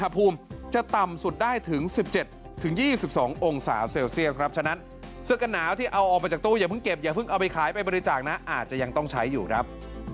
พึ่งเก็บอย่าเพิ่งเอาไปไปมริจาคนะอาจจะยังต้องใช้อยู่ครับ